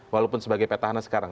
walaupun sebagai petahana sekarang